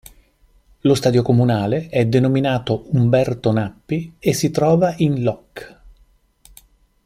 Lo stadio comunale è denominato Umberto Nappi e si trova in loc.